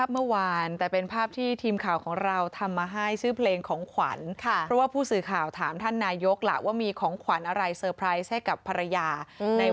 รักเพียงเธอรักตลอดไป